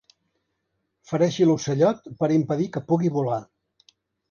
Fereixi l'ocellot per impedir que pugui volar.